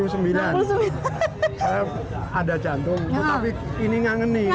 saya ada jantung tapi ini ngangenin